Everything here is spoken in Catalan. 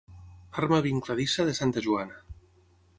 Arma vincladissa de santa Joana.